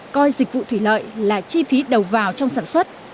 coi dịch vụ thủy lợi là chi phí đầu vào trong sản xuất